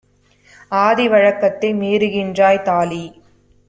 ஆதி வழக்கத்தை மீறுகின்றாய்! - தாலி